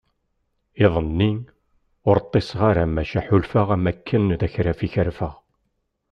Iḍ-nni, ur ṭṭiseɣ ara maca ḥulfaɣ am wakken d akraf i kerfeɣ.